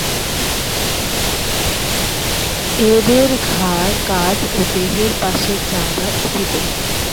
এদের ঘাড় কাঁধ ও দেহের পাশের চামড়া স্ফীত।